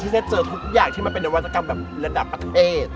ที่จะเจอทุกอย่างที่มาเป็นนวัตกรรมระดับประเทศ